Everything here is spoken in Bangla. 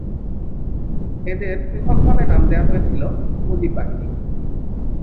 এদের পৃথকভাবে নাম দেওয়া হয়েছিল ‘মুজিব বাহিনী’।